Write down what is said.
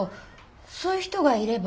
そういう人がいれば。